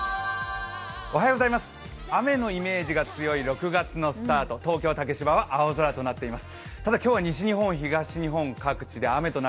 雨のイメージが強い６月のスタート、東京・竹芝は青空となっています。